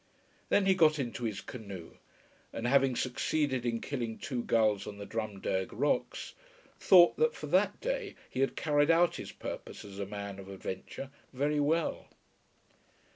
Then he got into his canoe, and, having succeeded in killing two gulls on the Drumdeirg rocks, thought that for that day he had carried out his purpose as a man of adventure very well.